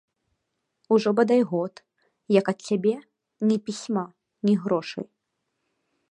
Ужо бадай год, як ад цябе ні пісьма, ні грошай.